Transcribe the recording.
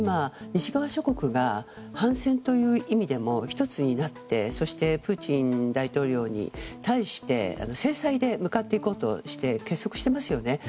西側諸国が反戦という意味でも１つになってプーチン大統領に対して制裁で向かっていこうとして結束していますよね。